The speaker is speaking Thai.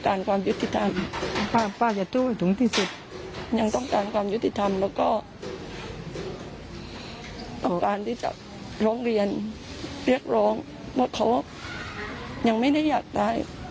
แต่ที่มีความคิดเรื่องของแรงเทพศัลภิกษุ